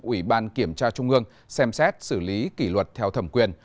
ủy ban kiểm tra trung ương xem xét xử lý kỷ luật theo thẩm quyền